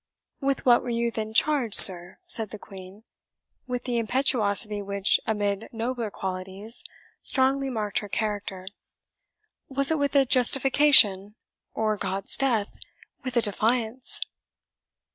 "With what were you then charged, sir?" said the Queen, with the impetuosity which, amid nobler qualities, strongly marked her character. "Was it with a justification? or, God's death! with a defiance?"